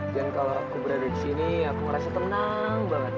dan kalau aku berada di sini aku ngerasa tenang banget